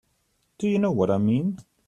Do you know what I mean?